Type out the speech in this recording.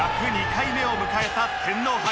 １０２回目を迎えた天皇杯